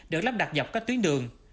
để lắp đặt dọc các tuyến đường